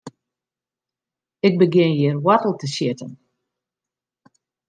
Ik begjin hjir woartel te sjitten.